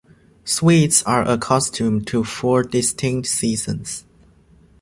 Swedes are accustomed to four distinct seasons.